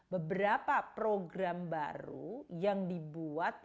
beberapa program baru yang dibuat